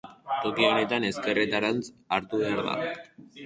Toki honetan, ezkerretarantz hartu behar da.